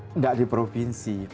tidak di provinsi